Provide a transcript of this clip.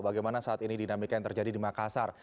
bagaimana saat ini dinamika yang terjadi di makassar